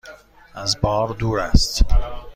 از بار دور است؟